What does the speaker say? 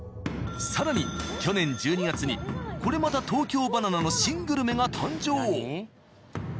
更に去年１２月にこれまた東京ばな奈の新グルメが誕生！